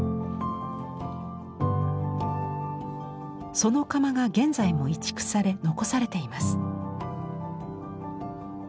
その窯が現在も移築され残されています。